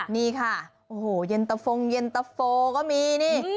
นี่ค่ะโอ้โหเย็นตะโฟงเย็นตะโฟก็มีนี่